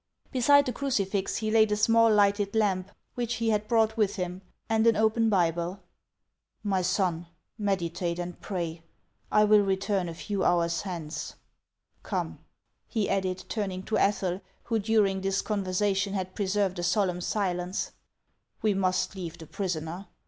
Beside the crucifix he laid a small lighted lamp which he had brought with him, and an open Bible. " My son, meditate and pray ; I will return a few hours hence. Come," he added, turning to Ethel, who during this conversation had preserved a solemn silence, "we must leave the prisoner.